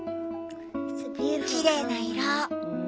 きれいな色。